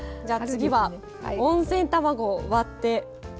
じゃあ次は温泉卵を割って。